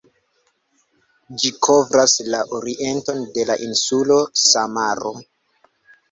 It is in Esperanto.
Ĝi kovras la orienton de la insulo Samaro.